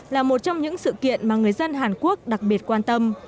là một trong những sự kiện mà người dân hàn quốc đặc biệt quan tâm